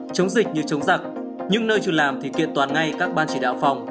chống dịch như chống giặc nhưng nơi chủ làm thì kiện toàn ngay các ban chỉ đạo phòng